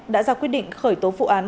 đã ra quyết định khởi tố vụ án